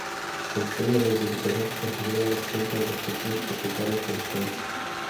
El sistema de certificación se considera la opción para los pequeños propietarios forestales.